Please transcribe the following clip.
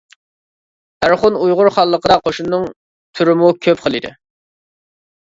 ئورخۇن ئۇيغۇر خانلىقىدا قوشۇننىڭ تۈرىمۇ كۆپ خىل ئىدى.